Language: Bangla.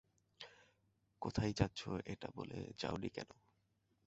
কোথায় যাচ্ছো সেটা বলে যাওনি কেন?